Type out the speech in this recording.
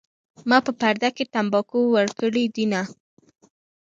ما په پرده کې تمباکو ورکړي دینه